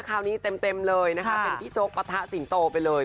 คราวนี้เต็มเลยนะคะเป็นพี่โจ๊กปะทะสิงโตไปเลย